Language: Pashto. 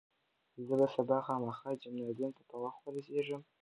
زه به سبا خامخا جمنازیوم ته په وخت ورسېږم.